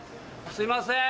すいません！